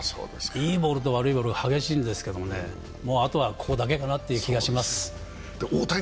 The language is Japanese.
いいボールと悪いボールの差が激しいんですけどね、あとは、ここだけかなという気がします。